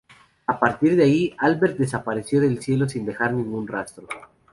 A partir de ahí, Albert desapareció del cielo sin dejar ningún rastro.